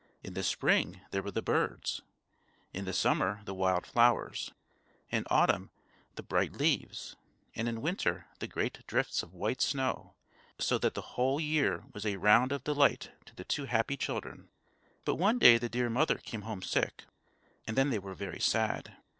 In the Spring there were the birds, in the Summer the wild flowers, in Autumn the bright leaves, and in Winter the great drifts of white snow; so that the whole year was a round of delight to the two happy children. But one day the dear mother came home sick; and then they were very sad.